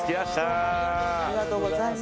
ありがとうございます。